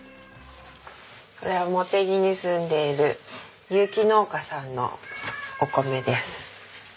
これは茂木に住んでいる有機農家さんのお米です。